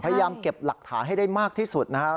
พยายามเก็บหลักฐานให้ได้มากที่สุดนะครับ